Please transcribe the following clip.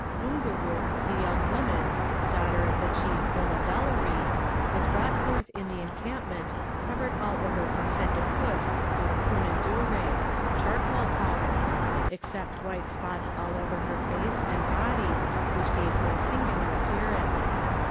Bungerrook, the young woman (daughter of the Chief Billibellary) was brought forth in the encampment covered all over from head to foot with kunnundure (charcoal powder), except white spots all over her face and body, which gave her a singular appearance.